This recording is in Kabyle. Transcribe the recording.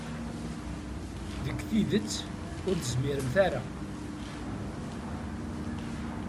Deg tidet, ur tezmiremt ara.